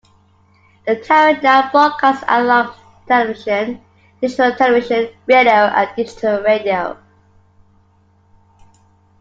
The tower now broadcasts analog television, digital television, radio and digital radio.